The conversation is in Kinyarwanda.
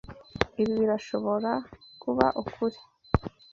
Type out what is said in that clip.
Ibi birashobora kuba ukuri.